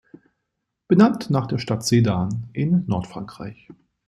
Benannt nach der Stadt Sedan in Nordfrankreich.